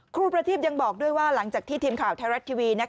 ครูประทีบยังบอกด้วยว่าหลังจากที่ทีมข่าวไทยรัฐทีวี